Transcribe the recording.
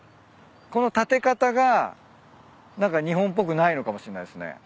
この建て方が何か日本っぽくないのかもしんないですね。